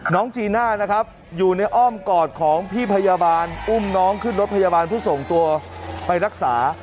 จีน่านะครับอยู่ในอ้อมกอดของพี่พยาบาลอุ้มน้องขึ้นรถพยาบาลเพื่อส่งตัวไปรักษา